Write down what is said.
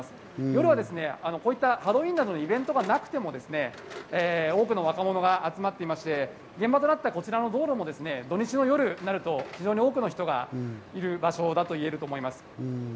夜はハロウィーンなどのイベントがなくても多くの若者が集まっていまして、現場となったこの道路も土日の夜になると非常に多くの人がいる場所になるといえます。